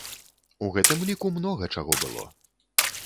У гэтым ліку многа чаго было.